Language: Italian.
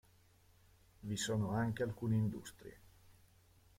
Vi sono anche alcune industrie.